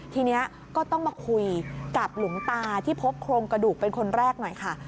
ทีนี้ก็ต้องมาคุยกับหลวงตาที่พบโครงกระดูกเป็นคนแรกหน่อยค่ะ